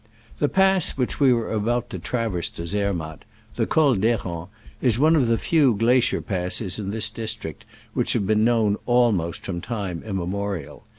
The pass which we were about to traverse to Zermatt — the Col d' Kerens — is one of the few glacier passes in this district which have been known almost from time immemorial.